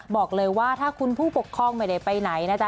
บอกเลยว่าถ้าคุณผู้ปกครองไม่ได้ไปไหนนะจ๊